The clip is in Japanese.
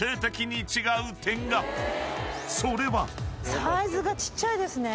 ［それは］